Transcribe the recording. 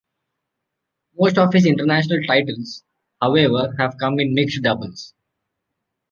Most of his international titles, however, have come in mixed doubles.